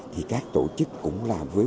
thì các tổ chức cũng làm với